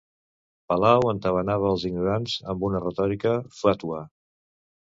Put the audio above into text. Palao entabanava els ignorants amb una retòrica fàtua.